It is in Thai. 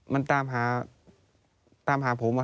หนูก็เลยบอกพอแล้ว